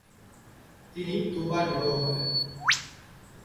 তিনি দু-বার বিবাহ করেন।